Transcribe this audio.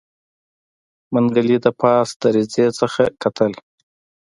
منګلي د پاس دريڅې نه کتل.